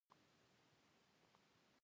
د چټک انټرنیټ لپاره فایبر آپټیک غوره دی.